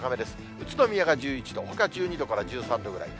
宇都宮が１１度、ほか１２度から１３度ぐらい。